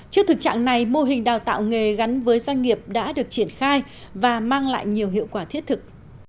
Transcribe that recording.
trước thực trạng này mô hình đào tạo nghề gắn với doanh nghiệp đã được triển khai và mang lại nhiều hiệu quả thiết thực